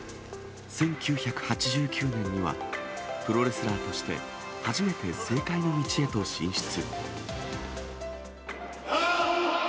１９８９年には、プロレスラーとして初めて政界の道へと進出。